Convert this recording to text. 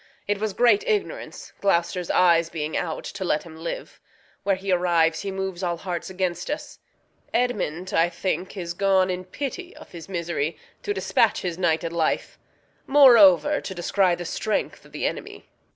It was great ignorance, Gloucester's eyes being out, To let him live. Where he arrives he moves All hearts against us. Edmund, I think, is gone, In pity of his misery, to dispatch His nighted life; moreover, to descry The strength o' th' enemy.